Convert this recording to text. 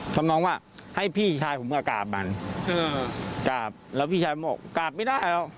ทำนองว่าให้พี่ชายผมมากราบมันกราบแล้วพี่ชายบอกกราบไม่ได้หรอก